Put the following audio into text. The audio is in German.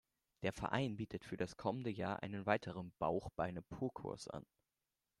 Der Verein bietet für das kommende Jahr einen weiteren Bauch-Beine-Po-Kurs an.